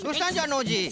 ノージー。